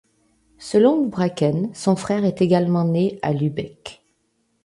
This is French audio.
Selon Houbraken son frère est également né à Lübeck.